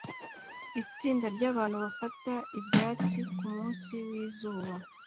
Itsinda ryabantu bafata ibyatsi kumunsi wizuba